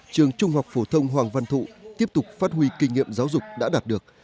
trường trung học phổ thông hoàng văn thụ tiếp tục phát huy kinh nghiệm giáo dục đã đạt được